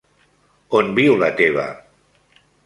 On viu la teva??